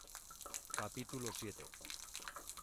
capítulo siete.